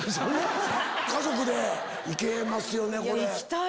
家族で行けますよねこれ。